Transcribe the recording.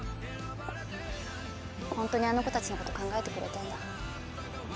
ホントにあの子たちのこと考えてくれてんだ。